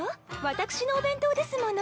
私のお弁当ですもの。